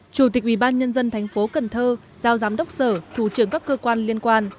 chủ tịch ubnd tp cần thơ giao giám đốc sở thủ trưởng các cơ quan liên quan